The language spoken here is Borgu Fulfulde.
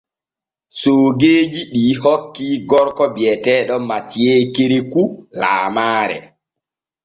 Soogeeji ɗi kokki gorko bi’eteeɗo MATHIEU KEREKOU laamaare.